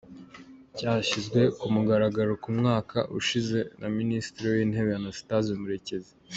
Cyashyizwe ku mugaragaro mu mwaka ushize na Minisitiri w’Intebe, Anastase Murekezi.